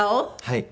はい。